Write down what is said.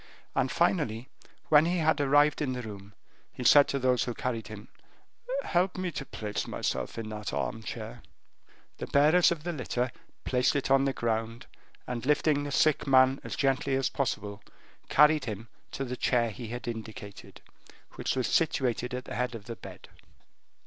And finally, when he had arrived in the room, he said to those who carried him: "Help me to place myself in that armchair." The bearers of the litter placed it on the ground, and lifting the sick man up as gently as possible, carried him to the chair he had indicated, which was situated at the head of the bed.